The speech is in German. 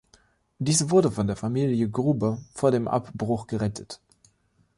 Diese wurde von der Familie Gruber vor dem Abbruch gerettet.